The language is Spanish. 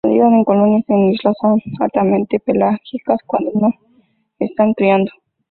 Anidan en colonias en islas y son altamente pelágicas cuando no están criando.